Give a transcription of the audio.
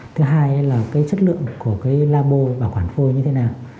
thứ hai là cái chất lượng của cái labo bảo quản phôi như thế nào